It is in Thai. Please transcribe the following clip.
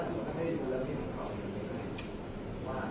คือพนักการสอบสวนก็ได้มีการไปสอบคุณหมอที่ตรวจนะครับ